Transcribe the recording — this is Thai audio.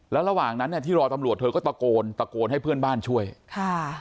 แล้วระหว่างนั้นเนี่ยที่รอตำรวจเธอก็ตะโกนตะโกนให้เพื่อนบ้านช่วยค่ะ